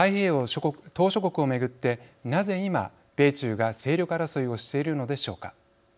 島しょ国を巡ってなぜ今米中が勢力争いをしているのでしょうか。